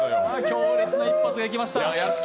強烈な一発がいきました。